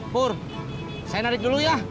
pur saya narik dulu ya